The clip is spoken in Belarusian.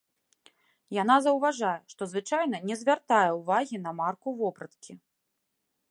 Яна заўважае, што звычайна не звяртае ўвагі на марку вопраткі.